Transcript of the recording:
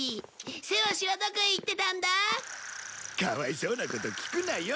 かわいそうなこと聞くなよ。